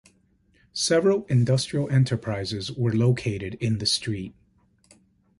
Several industrial enterprises were located in the street.